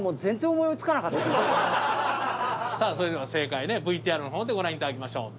さあそれでは正解ねＶＴＲのほうでご覧頂きましょう。